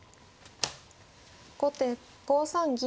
後手５三銀。